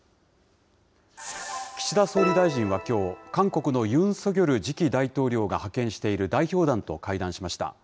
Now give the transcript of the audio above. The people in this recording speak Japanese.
岸田総理大臣はきょう、韓国のユン・ソギョル次期大統領が派遣している代表団と会談しました。